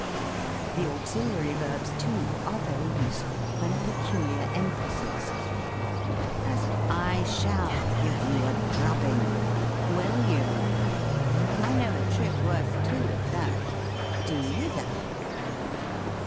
The Auxiliary Verbs, too, are very useful when a peculiar emphasis is required : as, " I shall give you a drubbing!" "Will you?" "I know a trick worth two of that." " Do you, though